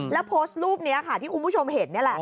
แล้วโพสต์รูปนี้ค่ะที่คุณผู้ชมเห็นนี่แหละ